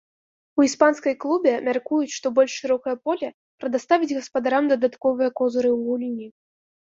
У іспанскай клубе мяркуюць, што больш шырокае поле прадаставіць гаспадарам дадатковыя козыры ў гульні.